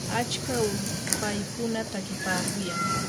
achka ulpaykuna takipaakuyan.